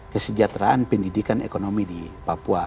kesejahteraan pendidikan ekonomi di papua